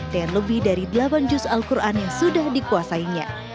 dan lebih dari delapan juz' al quran yang sudah dikuasainya